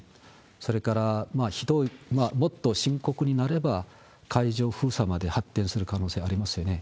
それから、もっと深刻になれば海上封鎖まで発展する可能性ありますよね。